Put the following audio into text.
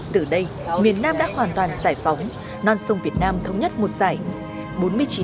từ đây miền nam đã hoàn toàn giải phóng non sông việt nam thống nhất một giải